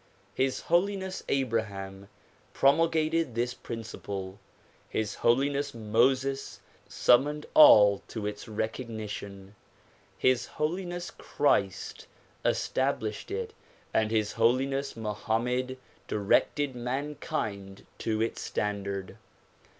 His Holi ness Abraham promulgated this principle; His Holiness Moses summoned all to its recognition ; His Holiness Christ established it and His Holiness Mohammed directed mankind to its standard.